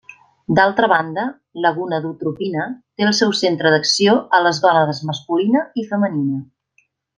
D'altra banda, la gonadotropina té el seu centre d'acció a les gònades masculina i femenina.